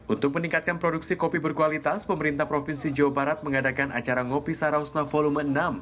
untuk meningkatkan produksi kopi berkualitas pemerintah provinsi jawa barat mengadakan acara ngopi sarausna volume enam